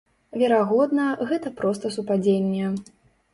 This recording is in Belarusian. Верагодна, гэта проста супадзенне.